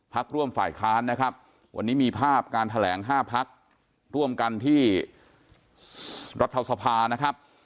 พักร่วมฝ่ายค้านนะครับวันนี้มีภาพการแถลง๕พักร่วมกันที่รัฐสภานะครับ